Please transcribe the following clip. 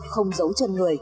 không giấu chân